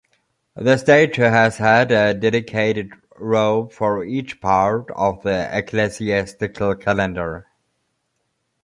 The statue has had a dedicated robe for each part of the ecclesiastical calendar.